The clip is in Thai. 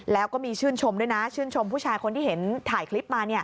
แล้วก็มีชื่นชมด้วยนะชื่นชมผู้ชายคนที่เห็นถ่ายคลิปมา